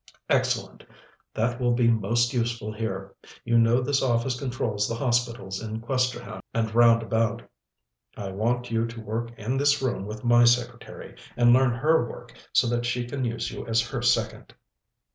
"Excellent. That will be most useful experience here. You know this office controls the hospitals in Questerham and round about. I want you to work in this room with my secretary, and learn her work, so that she can use you as her second."